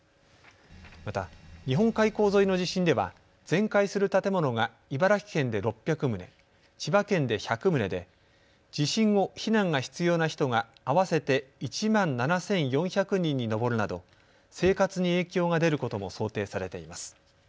また、日本海溝沿いの地震では全壊する建物が茨城県で６００棟、千葉県で１００棟で地震後、避難が必要な人が合わせて１万７４００人に上るなど生活に影響が出ることも想定されています。